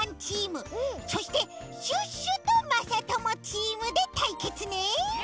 そしてシュッシュとまさともチームでたいけつね！